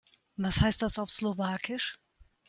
Was heißt das auf Slowakisch?